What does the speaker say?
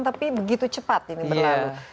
tapi begitu cepat ini berlalu